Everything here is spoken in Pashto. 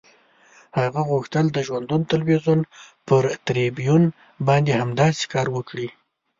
هغه غوښتل د ژوندون تلویزیون پر تریبیون باندې همداسې کار وکړي.